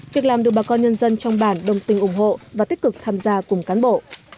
việc làm được bà con nhân dân trong bản đồng tình ủng hộ và tích cực tham gia cùng cán bộ